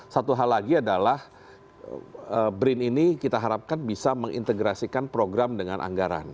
satu hal lagi adalah brin ini kita harapkan bisa mengintegrasikan programnya